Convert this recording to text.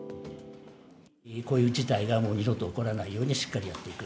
こういう事態がもう二度と起こらないようにしっかりやっていく。